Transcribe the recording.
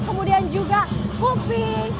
kemudian juga kuping